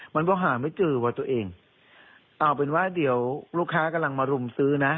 มันก็หาไม่เจอว่าตัวเองเอาเป็นว่าเดี๋ยวลูกค้ากำลังมารุมซื้อนะ